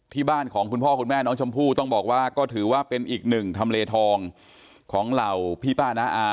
ที่บ้านของคุณพ่อคุณแม่น้องชมพู่ต้องบอกว่าก็ถือว่าเป็นอีกหนึ่งทำเลทองของเหล่าพี่ป้าน้าอา